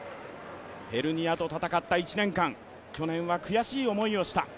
ヘルニアと闘った１年間去年は悔しい思いをした。